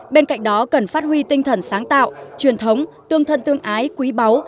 bên cạnh đó cần phát huy tinh thần sáng tạo truyền thống tương thân tương ái quý báu